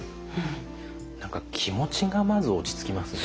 何か気持ちがまず落ち着きますね。